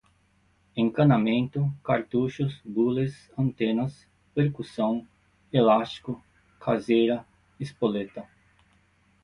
encanamento, cartuchos, bules, antenas, percussão, elástico, caseira, espoleta